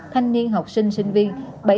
thanh niên học sinh sinh viên